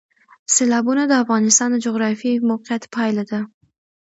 سیلابونه د افغانستان د جغرافیایي موقیعت پایله ده.